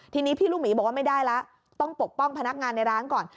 ทีนี้พี่ลูกหมีบอกว่าไม่ได้แล้วต้องปกป้องพนักงานในร้านก่อน